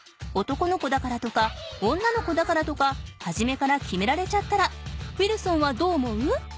男の子だからとか女の子だからとかはじめから決められちゃったらウィルソンはどう思う？